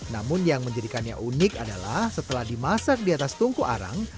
namun yang menjadikannya unik adalah setelah dimasak di atas tungku arang